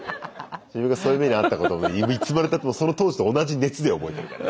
自分がそういう目に遭ったこといつまでたってもその当時と同じ熱で覚えてるからね。